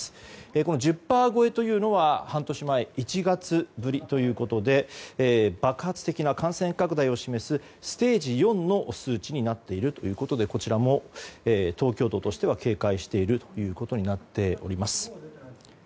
この１０％超えというのは半年前の１月ぶりということで爆発的な感染拡大を示すステージ４の数値になっているということでこちらも東京都としては警戒しているということになっております。